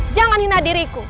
jangan hina diriku